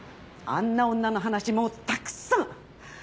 あんな女の話もうたくさん！